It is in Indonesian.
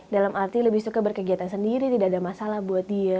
dalam arti lebih suka berkegiatan sendiri tidak ada masalah buat dia